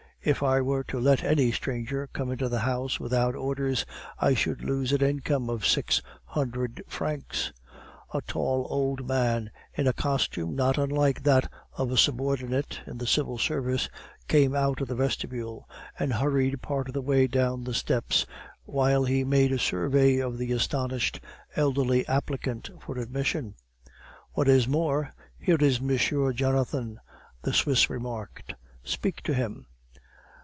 If I were to let any stranger come into the house without orders, I should lose an income of six hundred francs." A tall old man, in a costume not unlike that of a subordinate in the Civil Service, came out of the vestibule and hurried part of the way down the steps, while he made a survey of the astonished elderly applicant for admission. "What is more, here is M. Jonathan," the Swiss remarked; "speak to him."